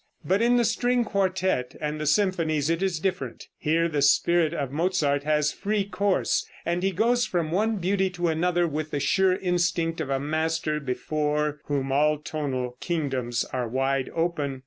But in the string quartette and the symphonies it is different. Here the spirit of Mozart has free course, and he goes from one beauty to another, with the sure instinct of a master before whom all tonal kingdoms are wide open.